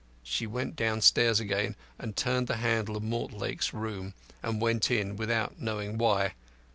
She went downstairs again and turned the handle of Mortlake's room, and went in without knowing why.